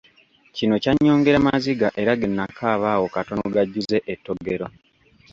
Kino kyannyongera maziga era ge nakaaba awo katono gajjuze ettogero.